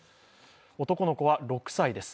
男の子は、６歳です。